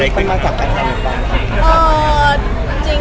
มันมาจากอะไรหรือเปล่า